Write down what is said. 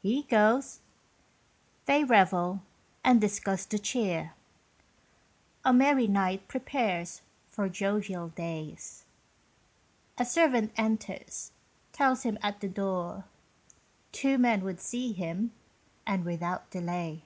He goes they revel and discuss the cheer; A merry night prepares for jovial days. A servant enters, tells him at the door Two men would see him, and without delay.